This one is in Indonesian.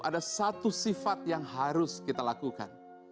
ada satu sifat yang harus kita lakukan